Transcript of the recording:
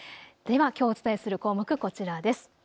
ではきょうお伝えする項目こちらです。